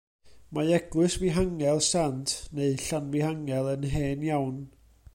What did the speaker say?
Mae Eglwys Fihangel Sant, neu Llanfihangel, yn hen iawn.